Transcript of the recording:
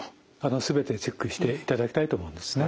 全てチェックしていただきたいと思うんですね。